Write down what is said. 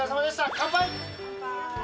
乾杯。